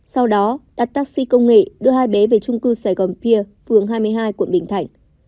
sau đó đặt taxi công nghệ đưa hai bé về trung cư sài gòn pia phường hai mươi hai quận bình thạnh